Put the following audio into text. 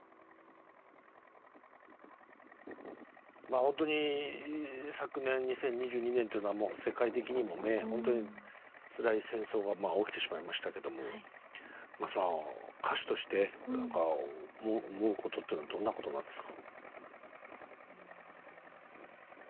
本当に昨年２０２２年というのは世界的にもねほんとにつらい戦争が起きてしまいましたけども歌手として思うことっていうのはどんなことなんですか？